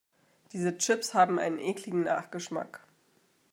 Diese Chips haben einen ekligen Nachgeschmack.